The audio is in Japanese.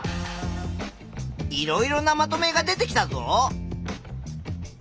いろいろなまとめが出てきたぞ。